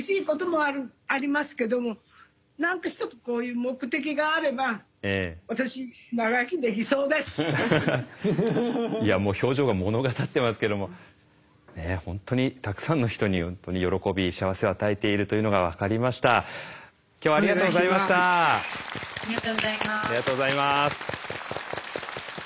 ありがとうございます。